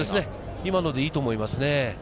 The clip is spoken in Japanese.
今のでいいと思いますね。